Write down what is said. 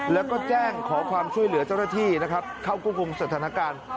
แล้วก็แจ้งขอความช่วยเหลือเจ้าหน้าที่เข้ากรุงสถานการณ์